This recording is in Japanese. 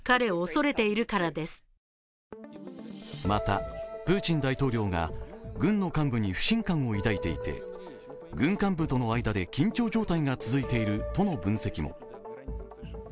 また、プーチン大統領が軍の幹部に不信感を抱いていて軍幹部との間で緊張状態が続いているとの分析も。